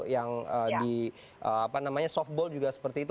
yang di softball juga seperti itu